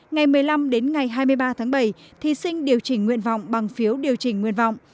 ngày một mươi năm đến ngày hai mươi ba tháng bảy thí sinh điều chỉnh nguyện vọng bằng phiếu điều chỉnh nguyện vọng